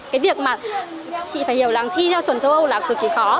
cái việc mà chị phải hiểu là thi theo chuẩn châu âu là cực kỳ khó